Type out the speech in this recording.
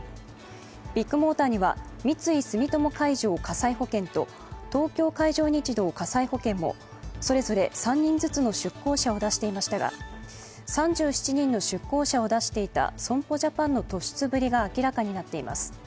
ビッグモーターには三井住友海上火災保険と東京海上日動火災保険もそれぞれ３人ずつの出向者を出していましたが、３７人の出向者を出していた損保ジャパンの突出ぶりが明らかになっています。